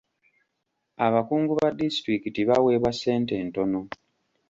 Abakungu ba disitulikiti baweebwa ssente ntono.